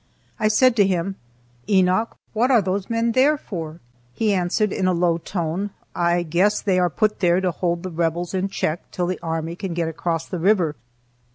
I said to him: "Enoch, what are those men there for?" He answered in a low tone: "I guess they are put there to hold the Rebels in check till the army can get across the river."